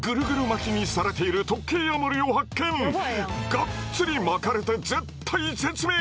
がっつり巻かれて絶体絶命！